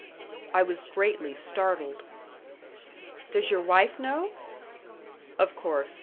I was greatly startled. "Does your wife know?" "Of course.